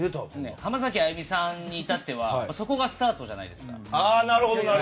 浜崎あゆみさんに至ってはそこがスタートじゃないですか。